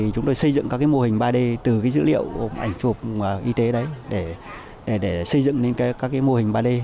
chúng tôi xây dựng các mô hình ba d từ dữ liệu ảnh chụp y tế đấy để xây dựng lên các mô hình ba d